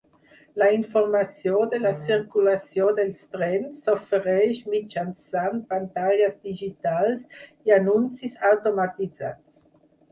La informació de la circulació dels trens s'ofereix mitjançant pantalles digitals i anuncis automatitzats.